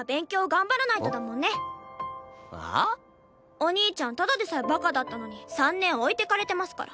お兄ちゃんただでさえバカだったのに３年置いてかれてますから。